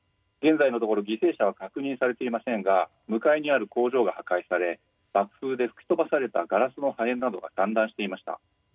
現在のところ犠牲者は確認されていませんが向かいにある工場が破壊され爆風で吹き飛ばされたガラスの破片などが散乱していました。